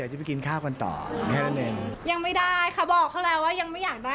จะไปกินข้าวคนต่อแค่นั้น